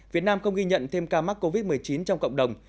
việt nam không ghi nhận thêm ca mắc covid một mươi chín trong cộng đồng